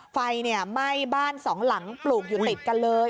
ไฟไหม้บ้านสองหลังปลูกอยู่ติดกันเลย